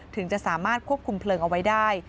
ถึงจะสามารถควบคุมเพลิงเอาไว้ได้